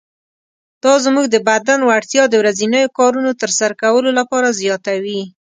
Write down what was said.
دا زموږ د بدن وړتیا د ورځنیو کارونو تر سره کولو لپاره زیاتوي.